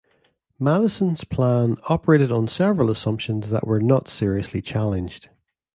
Madison's plan operated on several assumptions that were not seriously challenged.